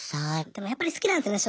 でもやっぱり好きなんですよね